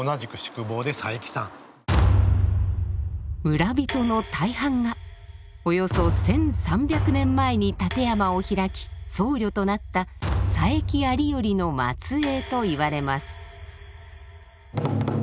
村人の大半がおよそ１，３００年前に立山を開き僧侶となった佐伯有頼の末えいといわれます。